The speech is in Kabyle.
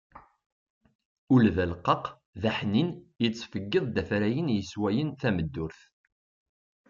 Ul d aleqqaq,d aḥnin, yettfeggiḍ d afrayen yeswayen tameddurt.